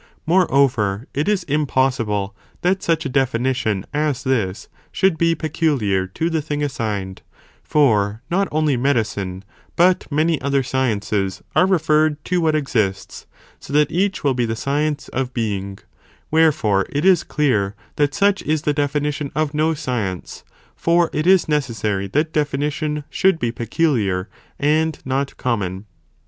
Moreover, it is impossible that such a definition as this, should be peculiar to the thing assigned, for not only medicine, but many other sciences are referred to what exists, so that each will be the science of being ; wherefore it is clear that such is the definition of no science, for it is necessary that definition should be peculiar, and not common.